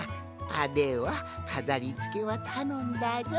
ではかざりつけはたのんだぞい！